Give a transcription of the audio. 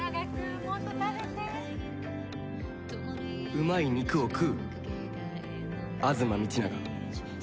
「うまい肉を食う」「吾妻道長」